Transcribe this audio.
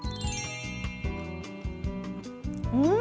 うん！